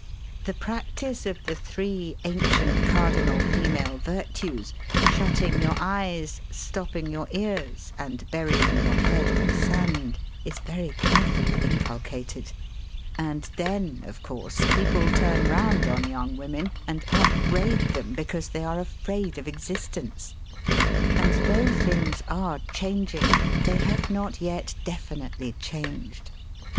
The practice of the three ancient cardinal female virtues — shutting your eyes, stopping your ears, and burying your head in the sand — is very carefully inculcated; and then, of course, people turn round on young women and upbraid them because they are afraid of existence! And, though things are changing, they have not yet definitely changed.